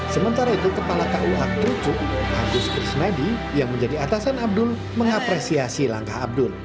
sementara itu kepala kuh terucuk agus krisnadi yang menjadi atasan abdul mengapresiasi langkah abdul